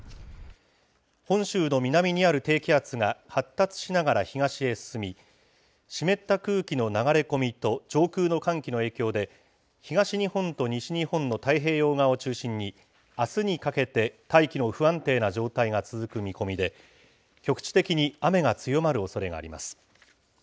本州の南にある低気圧が発達しながら東へ進み、湿った空気の流れ込みと上空の寒気の影響で、東日本と西日本の太平洋側を中心に、あすにかけて、大気の不安定な状態が続く見込みで、局地的に雨が強まるおそれがあります。